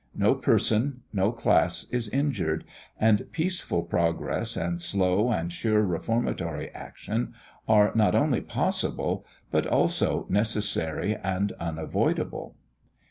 No person, no class is injured; and peaceful progress, and slow and sure reformatory action, are not only possible, but also necessary and unavoidable.